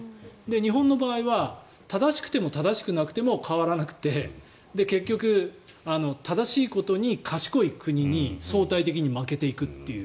日本の場合は正しくても正しくなくても変わらなくて結局、正しいことに賢い国に相対的に負けていくという。